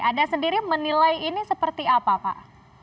anda sendiri menilai ini seperti apa pak